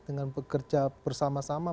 dengan bekerja bersama sama